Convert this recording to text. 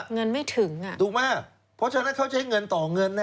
เงินไม่ถึงอ่ะถูกไหมเพราะฉะนั้นเขาใช้เงินต่อเงิน